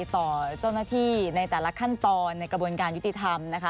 ต่อเจ้าหน้าที่ในแต่ละขั้นตอนในกระบวนการยุติธรรมนะคะ